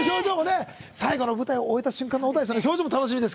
最後の舞台を終えた瞬間の小田井さんの表情も楽しみです。